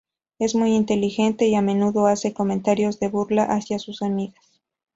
Es muy inteligente y a menudo hace comentarios de burla hacia sus amigas.